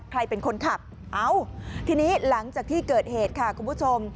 ใครเป็นคนขับเอ้าทีนี้หลังจากที่เกิดเหตุค่ะคุณผู้ชม